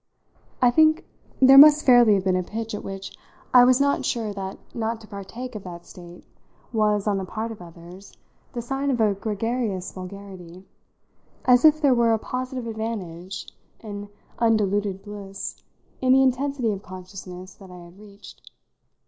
I think there must fairly have been a pitch at which I was not sure that not to partake of that state was, on the part of others, the sign of a gregarious vulgarity; as if there were a positive advantage, an undiluted bliss, in the intensity of consciousness that I had reached.